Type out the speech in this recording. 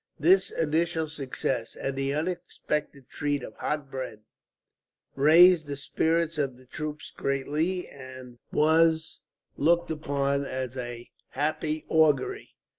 This initial success, and the unexpected treat of hot bread, raised the spirits of the troops greatly, and was looked upon as a happy augury.